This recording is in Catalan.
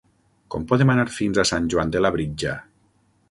Com podem anar fins a Sant Joan de Labritja?